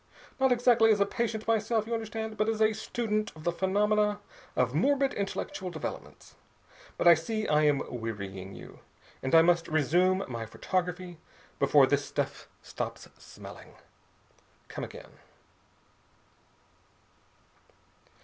Not exactly as a patient myself, you understand, but as a student of the phenomena of morbid intellectual developments. But I see I am wearying you, and I must resume my photography before this stuff stops smelling. Come again."